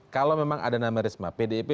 kalau memang ada nama risma pdip